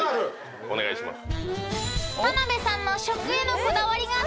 お願いします。